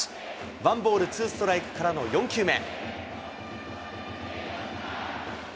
ワンボールツーストライクからの４球目。